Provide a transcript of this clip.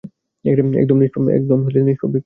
একদম নিষ্পাপ ব্যাক্তি।